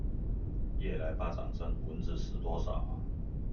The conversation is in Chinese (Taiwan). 夜來巴掌聲，蚊子死多少